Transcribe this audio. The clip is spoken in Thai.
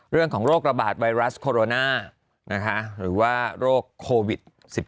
โรคระบาดไวรัสโคโรนาหรือว่าโรคโควิด๑๙